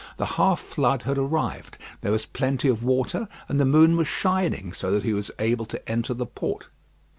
The half flood had arrived. There was plenty of water, and the moon was shining; so that he was able to enter the port.